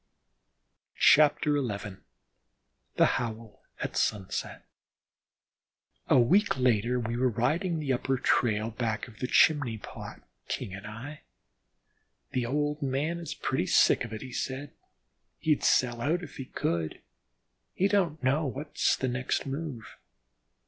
XI THE HOWL AT SUNSET A week later we were riding the upper trail back of the Chimney Pot, King and I. "The old man is pretty sick of it," he said. "He'd sell out if he could. He don't know what's the next move."